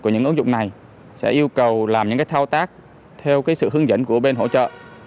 của những ứng dụng này sẽ yêu cầu làm những thao tác theo sự hướng dẫn của bên hỗ trợ